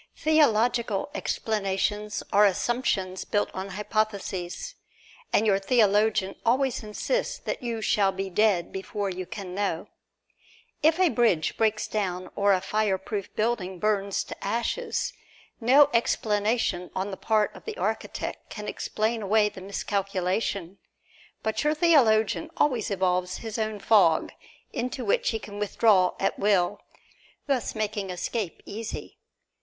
Theological explanations are assumptions built upon hypotheses, and your theologian always insists that you shall be dead before you can know. If a bridge breaks down or a fireproof building burns to ashes, no explanation on the part of the architect can explain away the miscalculation; but your theologian always evolves his own fog, into which he can withdraw at will, thus making escape easy.